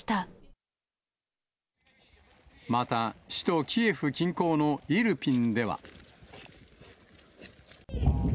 また、首都キエフ近郊のイルピンでは。